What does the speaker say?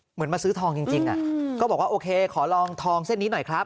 เหมือนมาซื้อทองจริงก็บอกว่าโอเคขอลองทองเส้นนี้หน่อยครับ